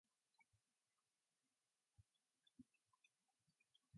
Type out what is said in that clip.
Those who stayed behind-mostly women and children-suffered deeply in their absence.